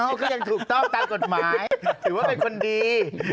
เขาก็ยังถูกต้องตามกฎหมายถือว่าเป็นคนดี